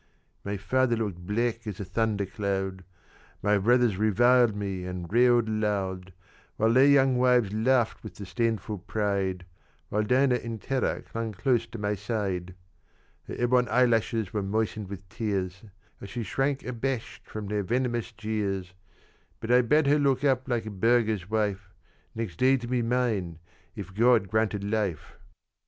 "My father looked black as a thunder cloud, My brothers reviled me and railed aloud, And their young wives laughed with disdainful pride, While Dinah in terror clung close to my side. "Her ebon eyelashes were moistened with tears, As she shrank abashed from their venomous jeers: But I bade her look up like a burgher's wife Next day to be mine, if God granted life.